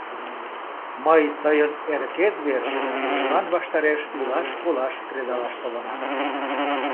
Мый тыйын эрыкет верч тушман ваштареш илаш-колаш кредалаш толынам!